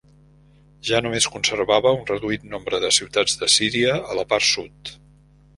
Ja només conservava un reduït nombre de ciutats de Síria, a la part sud.